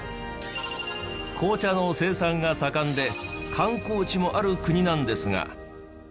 紅茶の生産が盛んで観光地もある国なんですが。